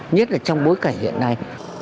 nhất là trong bối cảnh hiện nay